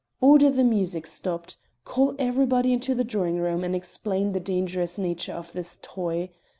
"Order the music stopped; call everybody into the drawing room and explain the dangerous nature of this toy.